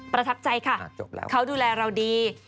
ประทับใจค่ะเขาดูแลเราดี